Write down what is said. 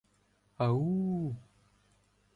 — А-у-у-у-у!